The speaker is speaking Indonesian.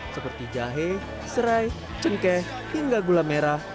seperti jahe serai cengkeh hingga gula merah